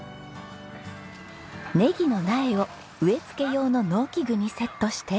ネギの苗を植え付け用の農機具にセットして。